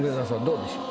どうでしょう？